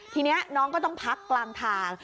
ทีนี้น้องก็ต้องพักกลางทาง